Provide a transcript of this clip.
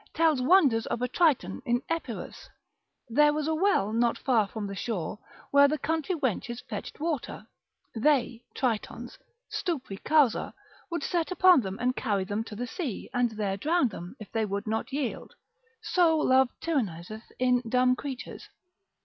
tells wonders of a triton in Epirus: there was a well not far from the shore, where the country wenches fetched water, they, tritons, stupri causa would set upon them and carry them to the sea, and there drown them, if they would not yield; so love tyranniseth in dumb creatures.